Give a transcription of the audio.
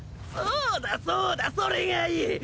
そうだそうだそれがいい！